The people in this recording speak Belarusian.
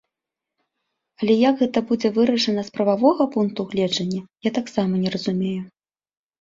Але як гэта будзе вырашана з прававога пункту гледжання, я таксама не разумею.